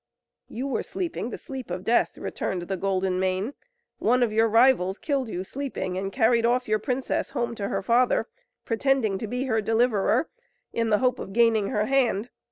"You were sleeping the sleep of death," returned the Golden Mane; "one of your rivals killed you sleeping, and carried off your princess home to her father, pretending to be her deliverer, in the hope of gaining her hand.